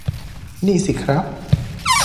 นี่สิครับ